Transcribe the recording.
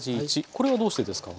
これはどうしてですか？